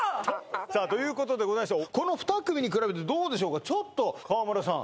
さあということでございましてこの２組に比べてどうでしょうかちょっと川村さん